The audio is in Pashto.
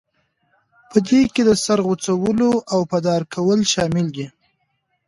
په دې کې د سر غوڅول او په دار کول شامل وو.